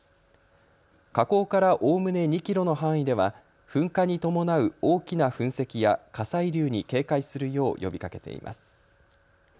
火口からおおむね２キロの範囲では噴火に伴う大きな噴石や火砕流に警戒するよう呼びかけています。